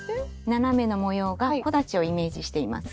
斜めの模様が木立をイメージしています。